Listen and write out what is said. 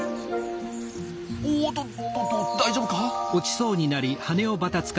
おとっとと大丈夫か？